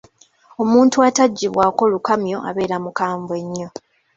Omuntu ataggyibwako lukamyo abeera mukambwe ennyo.